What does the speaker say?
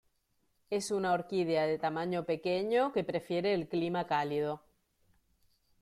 Es una orquídea de tamaño pequeño, que prefiere el clima cálido.